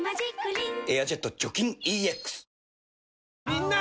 みんな！